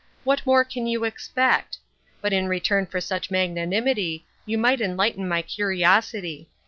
What more can you expect? But in return for such magnanimity you might enlighten my curiosity.